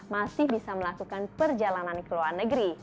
masih bisa melakukan perjalanan ke luar negeri